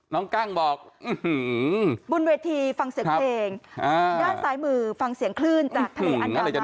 กั้งบอกบนเวทีฟังเสียงเพลงด้านซ้ายมือฟังเสียงคลื่นจากทะเลอันดา